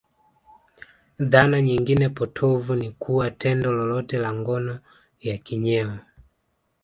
Dhana nyingine potovu ni kuwa tendo lolote la ngono ya kinyeo